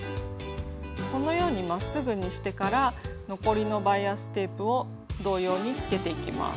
このようにまっすぐにしてから残りのバイアステープを同様につけていきます。